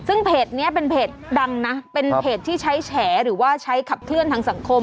ซึ่งเพจนี้เป็นเพจดังนะเป็นเพจที่ใช้แฉหรือว่าใช้ขับเคลื่อนทางสังคม